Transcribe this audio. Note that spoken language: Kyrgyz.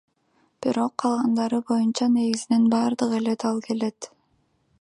Бирок калгандары боюнча, негизинен бардыгы эле дал келет.